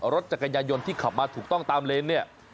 รถจักรยายนที่ขับมาถูกต้องตามเลนเนี่ย